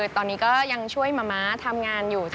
ตอนนี้ก็ยังช่วยมะม้าทำงานอยู่